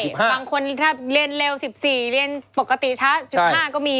ปกติชัก๑๕ปีก็จะมี